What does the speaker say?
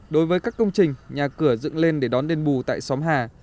đối với các công trình nhà cửa dựng lên để đón đền bù tại xóm hà